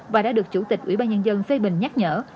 và đã được chủ tịch ủy ban nhân dân phê bình nhắc nhở